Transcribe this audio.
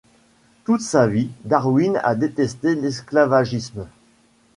Toute sa vie Darwin a détesté l'esclavagisme.